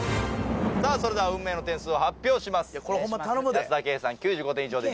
それでは運命の点数を発表します